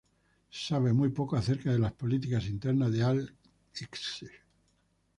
Se sabe muy poco acerca de las políticas internas de al-Ikhshid.